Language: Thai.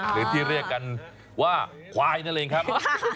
หรือที่เรียกกันว่าควายนั่นเองครับ